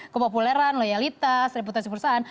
kepopuleran loyalitas reputasi perusahaan